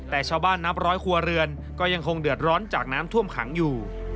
แต่ชาวบ้านนับร้อยครัวเรือนก็ยังคงเดือดร้อนจากน้ำท่วมขังอยู่